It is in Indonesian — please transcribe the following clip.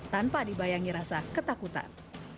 tanpa dibayangi rasa ketakutan